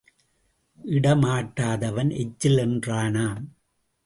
இட மாட்டாதவன் எச்சில் என்றானாம்.